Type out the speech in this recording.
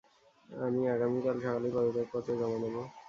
আমি আগামীকাল সকালেই পদত্যাগ পত্র জমা দেব।